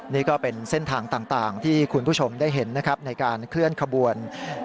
นี่ก็เป็นเส้นทางต่างที่คุณผู้ชมได้เห็นนะครับในการเคลื่อนขบวน